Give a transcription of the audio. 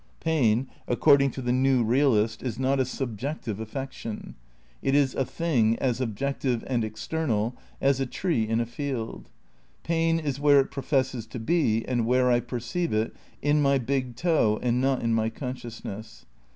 Pain, according to the new real ist, is not a subjective affection, it is a thing, as ob jective and external as a tree in a field. Pain is where it professes to be and where I perceive it, in my big toe and not in my consciousness.